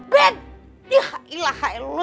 bet iya ilah elu